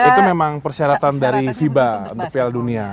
itu memang persyaratan dari fiba untuk piala dunia